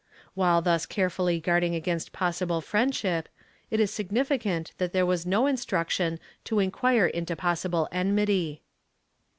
While thus carefully guarding against possible friendship, it is significant that there is no instruction to inquire into possible enmity.